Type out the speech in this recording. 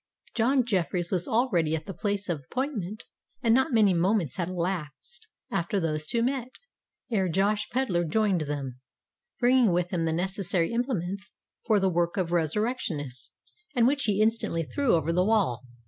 John Jeffreys was already at the place of appointment; and not many moments had elapsed after those two met, ere Josh Pedler joined them, bringing with him the necessary implements for the work of resurrectionists, and which he instantly threw over the wall.